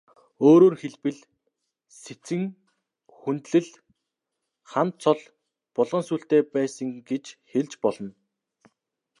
Өөрөөр хэлбэл, Сэцэн хүндлэн хан цол булган сүүлтэй байсан гэж хэлж болно.